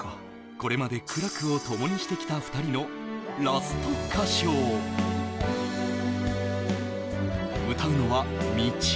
これまで苦楽を共にしてきた２人のラスト歌唱歌うのは「道」